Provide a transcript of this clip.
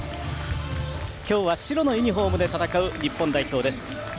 今日は白のユニフォームで戦う日本代表。